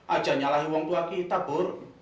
ajaknya lah orang tua kita bu